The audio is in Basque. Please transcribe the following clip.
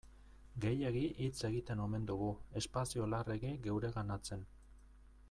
Gehiegi hitz egiten omen dugu, espazio larregi geureganatzen.